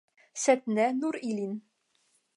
Sed ne nur ilin.